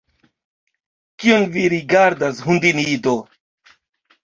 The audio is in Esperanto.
Kion vi rigardas, hundinido?